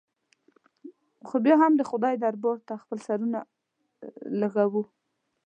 خو بیا هم د خدای دربار ته خپل سرونه لږوو.